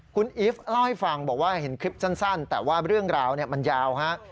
คุณอีฟเล่าให้ฟังบอกว่าเห็นคลิปสั้นแต่ว่าเรื่องราวมันยาวฮะ